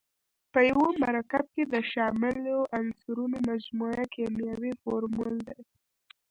په یوه مرکب کې د شاملو عنصرونو مجموعه کیمیاوي فورمول دی.